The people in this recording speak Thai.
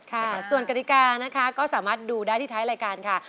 ค่ะส่วนกฎิกานะคะก็สามารถดูได้ที่ท้ายรายการค่ะ